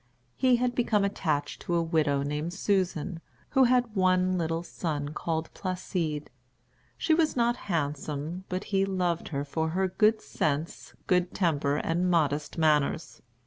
He had become attached to a widow named Suzan, who had one little son called Placide. She was not handsome, but he loved her for her good sense, good temper, and modest manners.